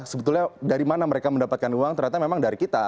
sebetulnya dari mana mereka mendapatkan uang ternyata memang dari kita